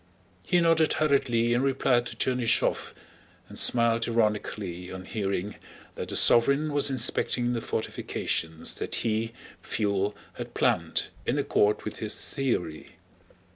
He nodded hurriedly in reply to Chernýshev, and smiled ironically on hearing that the sovereign was inspecting the fortifications that he, Pfuel, had planned in accord with his theory.